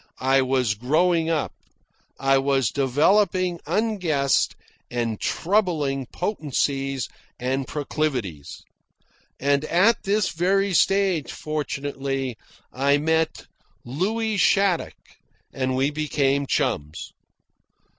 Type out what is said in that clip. I was growing up. I was developing unguessed and troubling potencies and proclivities. And at this very stage, fortunately, I met Louis Shattuck and we became chums.